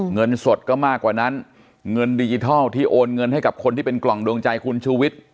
เงินสดก็มากกว่านั้นเงินดิจิทัลที่โอนเงินให้กับคนที่เป็นกล่องดวงใจคุณชูวิทย์